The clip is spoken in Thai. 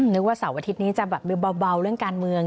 นึกว่าเสาร์อาทิตย์นี้จะแบบเบาเรื่องการเมือง